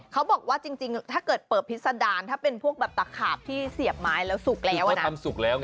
เขาบอกว่าจริงถ้าเกิดเปิดพิษดารถ้าเป็นพวกแบบตะขาบที่เสียบไม้แล้วสุกแล้วทำสุกแล้วไง